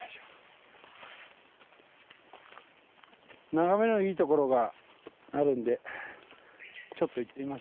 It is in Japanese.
眺めのいいところがあるんでちょっと行ってみましょう。